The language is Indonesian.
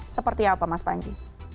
seperti apa mas panji